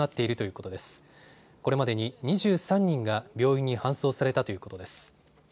これまでに２３人が病院に搬送されたということです。